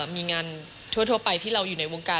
มีงานทั่วไปที่เราอยู่ในวงการ